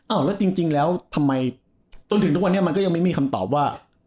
แล้วจริงแล้วทำไมจนถึงทุกวันนี้มันก็ยังไม่มีคำตอบว่า